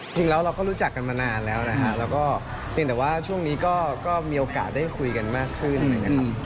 จริงแล้วเราก็รู้จักกันมานานแล้วนะฮะแล้วก็เพียงแต่ว่าช่วงนี้ก็มีโอกาสได้คุยกันมากขึ้นอะไรอย่างนี้ครับ